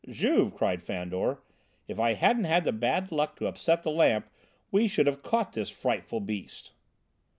"Juve!" cried Fandor, "if I hadn't had the bad luck to upset the lamp, we should have caught this frightful beast."